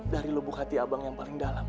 dari lubuk hati abang yang paling dalam